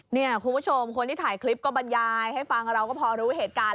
เนี่ยคุณผู้ชมคนที่ถ่ายคลิปก็บรรยายให้ฟังเราก็พอรู้เหตุการณ์